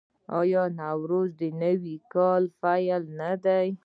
آیا نوروز د نوي کال پیل نه دی؟